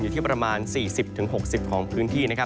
อยู่ที่ประมาณ๔๐๖๐ของพื้นที่